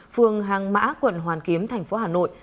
phường hàng mã quận hoàn kiếm thành phố hà nội